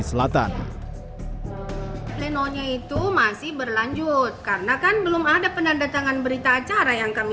selatan plenonya itu masih berlanjut karena kan belum ada penandatangan berita acara yang kami